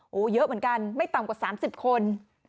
โอ้โหเยอะเหมือนกันไม่ต่ำกว่า๓๐คน